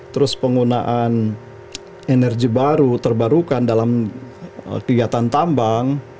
terus penggunaan energi baru terbarukan dalam kegiatan tambang